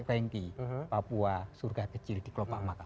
orang papua surga kecil di kelopak maka